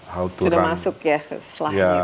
sudah masuk ya